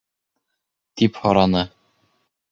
-тип һораны.